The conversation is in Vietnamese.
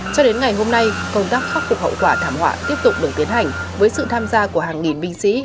cho đến ngày hôm nay công tác khắc phục hậu quả thảm họa tiếp tục được tiến hành với sự tham gia của hàng nghìn binh sĩ